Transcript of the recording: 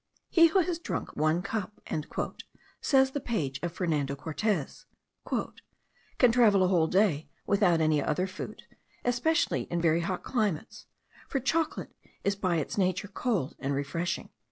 "He who has drunk one cup," says the page of Fernando Cortez, "can travel a whole day without any other food, especially in very hot climates; for chocolate is by its nature cold and refreshing."